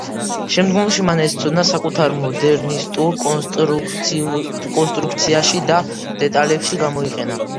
შემდგომში, მან ეს ცოდნა საკუთარ მოდერნისტულ კონსტრუქციებში და დეტალებში გამოიყენა.